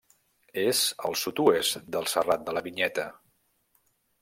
És al sud-oest del Serrat de la Vinyeta.